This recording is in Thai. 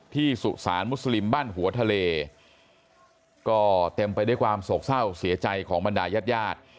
สุสานมุสลิมบ้านหัวทะเลก็เต็มไปด้วยความโศกเศร้าเสียใจของบรรดายาด